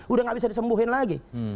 udah gak bisa disembuhin lagi